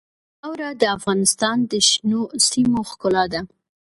خاوره د افغانستان د شنو سیمو ښکلا ده.